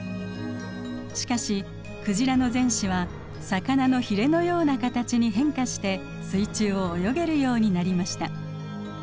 しかしクジラの前肢は魚のヒレのような形に変化して水中を泳げるようになりました。